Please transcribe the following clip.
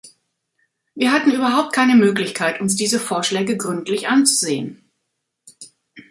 Wir hatten überhaupt keine Möglichkeit, uns diese Vorschläge gründlich anzusehen.